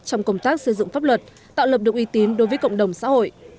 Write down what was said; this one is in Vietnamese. trong công tác xây dựng pháp luật tạo lập được uy tín đối với cộng đồng xã hội